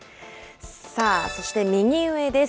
さあ、そして右上です。